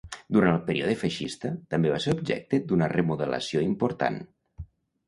Durant el període feixista, també va ser objecte d'una remodelació important.